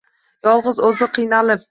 Yolg‘iz o‘zi qiynalib.